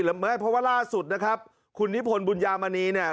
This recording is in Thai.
ไม่เพราะว่าล่าสุดนะครับคุณนิพนธ์บุญญามณีเนี่ย